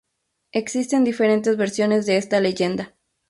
Existen diferentes versiones de esta leyenda.